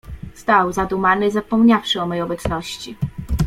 "Stał zadumany, zapomniawszy o mej obecności."